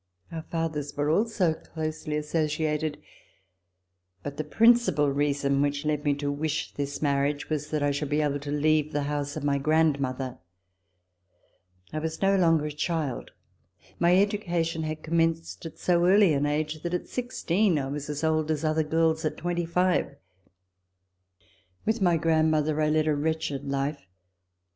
Our fathers were also closely associ ated, but the principal reason which led me to wish this marriage was that I would be able to leave the house of my grandmother. I was no longer a child. My education had commenced at so early an age that at sixteen I was as old as other girls at twenty RECOLLECTIONS OF THE REVOLUTION five. With my grandmother I led a wretched Hfe.